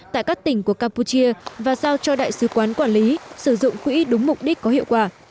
tại các tỉnh của campuchia và giao cho đại sứ quán quản lý sử dụng quỹ đúng mục đích có hiệu quả